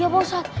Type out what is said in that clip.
iya pak ustadz